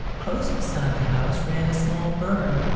Close beside the house ran a small burn.